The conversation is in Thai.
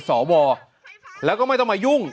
สวแล้วก็ไม่ต้องมายุ่ง